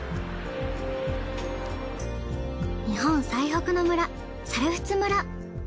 日本最北の村猿払村。